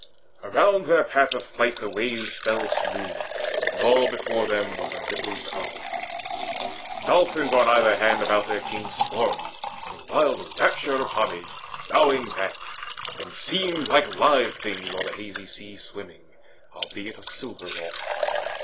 Around their path of flight the waves fell smooth, And all before them was unrippled calm. Dolphins on either hand about their king Swarmed, in wild rapture of homage bowing backs, And seemed like live things o'er the hazy sea Swimming, albeit all of silver wrought.